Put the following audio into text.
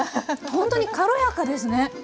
ほんとに軽やかですね。